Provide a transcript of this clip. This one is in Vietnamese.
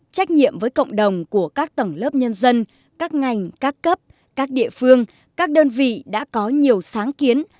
trách nhiệm với cộng đồng của các tầng lớp nhân dân các ngành các cấp các địa phương các đơn vị đã có nhiều sáng kiến